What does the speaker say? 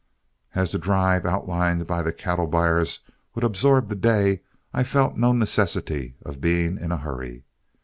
As the drive outlined by the cattle buyers would absorb the day, I felt no necessity of being in a hurry.